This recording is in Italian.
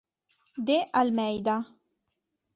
De Almeida